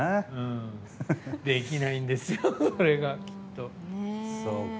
できないんですよ、それがきっと。